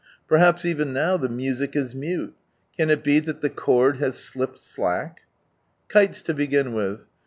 Perhaps even now the music an it be that the cord has slipped slack? Kites to begin with.